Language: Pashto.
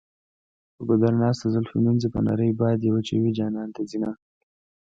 په ګودر ناسته زلفې مینځي په نري باد یې وچوي جانان ته ځینه.